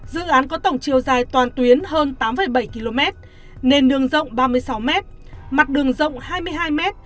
dự án có tổng chiều dài toàn tuyến hơn tám bảy km nền đường rộng ba mươi sáu m mặt đường rộng hai mươi hai m